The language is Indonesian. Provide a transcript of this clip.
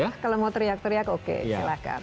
jadi kalau mau teriak teriak oke silahkan